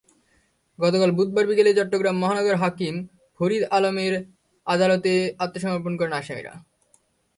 গতকাল বুধবার বিকেলে চট্টগ্রাম মহানগর হাকিম ফরিদ আলমের আদালতে আত্মসমপর্ণ করেন আসামিরা।